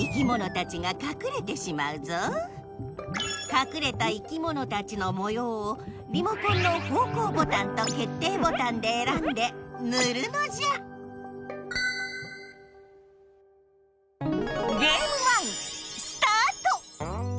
かくれたいきものたちのもようをリモコンの方向ボタンと決定ボタンでえらんでぬるのじゃスタート！